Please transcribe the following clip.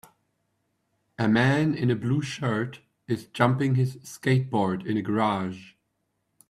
A man in a blue shirt is jumping his skateboard in a garage.